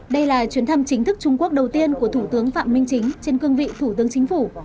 đây là chuyến thăm chính thức trung quốc đầu tiên của thủ tướng phạm minh chính trên cương vị thủ tướng chính phủ